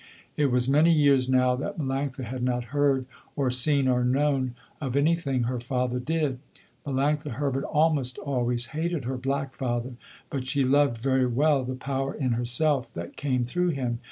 It was many years now that Melanctha had not heard or seen or known of anything her father did. Melanctha Herbert almost always hated her black father, but she loved very well the power in herself that came through him.